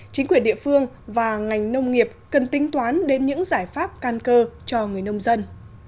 chính quyền địa phương và ngành nông nghiệp cần tính toán đến những giải pháp căn cơ cho người nông dân